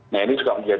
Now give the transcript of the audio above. nah ini juga menjadi